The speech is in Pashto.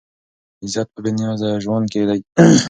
عزت په بې نیازه ژوند کې دی.